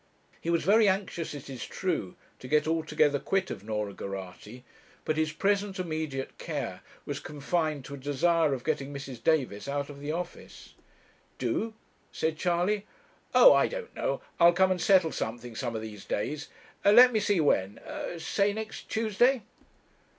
He was very anxious, it is true, to get altogether quit of Norah Geraghty; but his present immediate care was confined to a desire of getting Mrs. Davis out of the office. 'Do!' said Charley. 'Oh, I don't know; I'll come and settle something some of these days; let me see when say next Tuesday.'